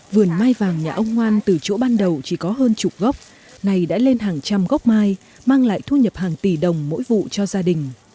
vườn mai vàng nhà ông ngoan từ chỗ ban đầu chỉ có hơn chục gốc này đã lên hàng trăm gốc mai mang lại thu nhập hàng tỷ đồng mỗi vụ cho gia đình